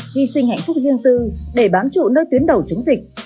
hy sinh hạnh phúc riêng tư để bám trụ nơi tuyến đầu chống dịch